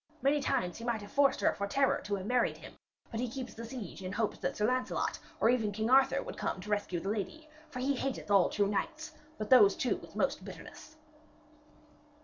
Many times he might have forced her for terror to have married him, but he keeps the siege in hopes that Sir Lancelot or even King Arthur would come to rescue the lady. For he hateth all true knights, but those two with most bitterness.'